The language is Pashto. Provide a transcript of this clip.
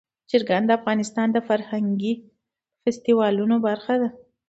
چرګان د افغانستان د فرهنګي فستیوالونو برخه ده.